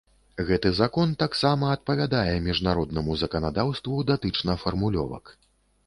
Гэты закон таксама адпавядае міжнароднаму заканадаўству датычна фармулёвак.